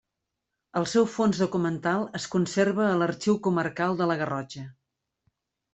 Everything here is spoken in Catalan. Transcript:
El seu fons documental es conserva a l'Arxiu Comarcal de la Garrotxa.